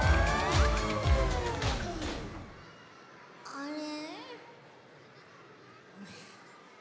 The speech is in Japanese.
あれ？